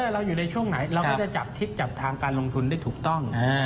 เราก็จะจับทิศจับทางการลงทุนได้ถูกต้อง